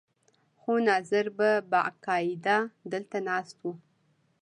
خو ناظر به باقاعده دلته ناست و.